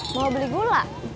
mau beli gula